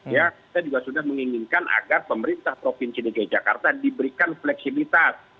ya kita juga sudah menginginkan agar pemerintah provinsi dki jakarta diberikan fleksibilitas